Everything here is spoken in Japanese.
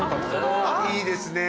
いいですね